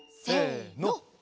せの。